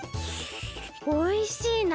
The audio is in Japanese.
おいしい！